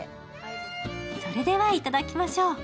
それでは、いただきましょう。